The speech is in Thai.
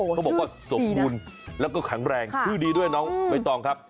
เขาบอกว่าสมทุกรุณและขังแรงชื่อดีด้วยนะไอ้ตอนค่ะ